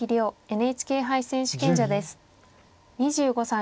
２５歳。